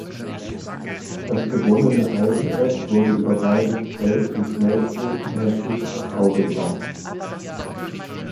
Das dort gewonnene Eisenerz wurde über Bayrischzell zum Schmelzofen bei Fischbachau gebracht.